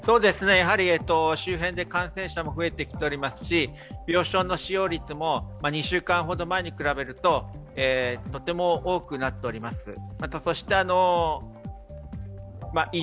周辺で感染者も増えてきておりますし、病床の使用率も２週間ほど前に比べるととても多くなっております。